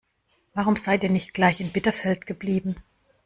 Warum seid ihr nicht gleich in Bitterfeld geblieben?